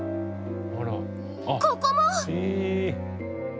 ここも！